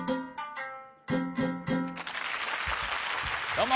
どうも。